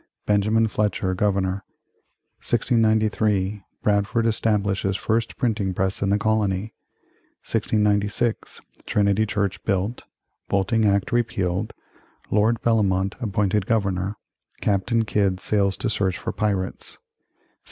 Benjamin Fletcher Governor 1693. Bradford establishes first printing press in the colony 1696. Trinity Church built Bolting Act repealed Lord Bellomont appointed Governor Captain Kidd sails to search for pirates 1697.